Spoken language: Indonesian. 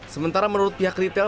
sementara menurut pihak retail